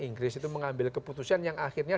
inggris itu mengambil keputusan yang akhirnya